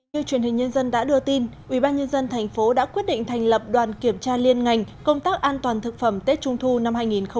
như truyền hình nhân dân đã đưa tin ubnd tp đã quyết định thành lập đoàn kiểm tra liên ngành công tác an toàn thực phẩm tết trung thu năm hai nghìn hai mươi